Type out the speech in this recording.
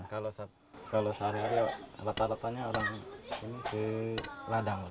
kalau sehari hari rata ratanya orang ke ladang